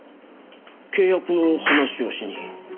契約の話をしに。